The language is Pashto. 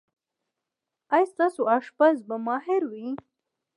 ایا ستاسو اشپز به ماهر وي؟